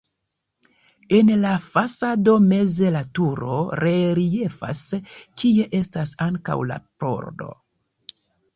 En la fasado meze la turo reliefas, kie estas ankaŭ la pordo.